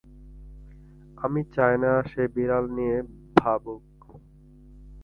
আমি চাই না সে বিড়াল নিয়ে ভাবুক।